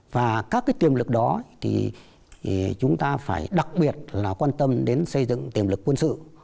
và các tiềm lực đó thì chúng ta phải đặc biệt là quan tâm đến xây dựng tiềm lực quân sự